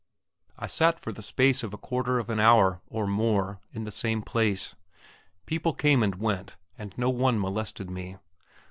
I sat for the space of a quarter of an hour, or more, in the same place. People came and went, and no one molested me.